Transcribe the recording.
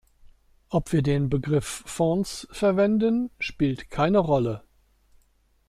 Ob wir den Begriff "Fonds" verwenden, spielt keine Rolle.